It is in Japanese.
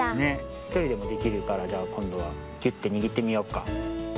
ひとりでもできるからじゃあこんどはぎゅってにぎってみよっか。